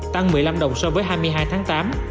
tăng một mươi năm đồng so với hai mươi hai tháng tám